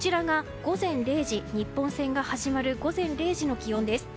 日本戦が始まる午前０時の気温です。